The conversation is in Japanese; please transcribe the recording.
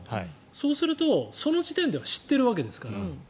そうすると、その時点では知ってるわけですから。